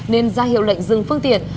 nên ra hiệu lệnh dừng phương tiện